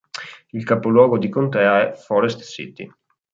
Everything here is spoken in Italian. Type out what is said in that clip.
Il capoluogo di contea è Forest City.